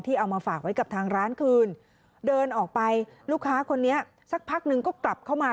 เอามาฝากไว้กับทางร้านคืนเดินออกไปลูกค้าคนนี้สักพักหนึ่งก็กลับเข้ามา